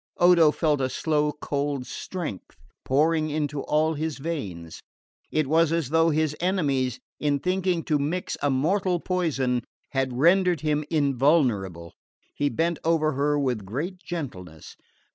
Odo felt a slow cold strength pouring into all his veins. It was as though his enemies, in thinking to mix a mortal poison, had rendered him invulnerable. He bent over her with great gentleness.